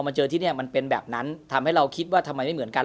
เจอที่นี่มันเป็นแบบนั้นทำให้เราคิดว่าทำไมไม่เหมือนกัน